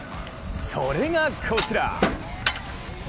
それがこちら。